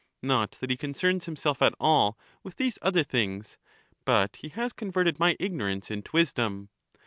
Not that he concerns youth. himself at all with these other things, but he has converted my ignorance into wisdom.